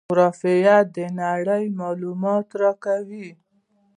جغرافیه د نړۍ معلومات راکوي.